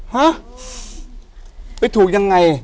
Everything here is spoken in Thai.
ฮะไปถูกยังไง